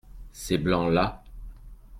ces blancs_là.